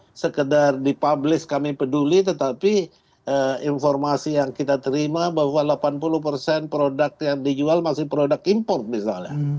jangan sekedar dipublish kami peduli tetapi informasi yang kita terima bahwa delapan puluh produk yang dijual masih produk impor misalnya